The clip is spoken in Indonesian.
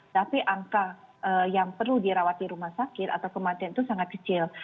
tapi angka yang perlu dirawat di rumah sakit atau kematian itu sangat kecil